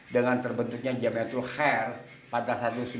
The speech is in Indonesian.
dengan terbentuknya jami'atul khoir pada seribu sembilan ratus lima